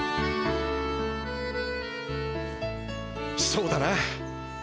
そうだな。